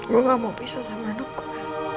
gue gak mau pisah sama anak gue